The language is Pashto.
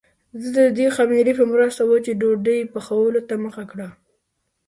زه د دې خمیرې په مرسته وچې ډوډۍ پخولو ته مخه کړه.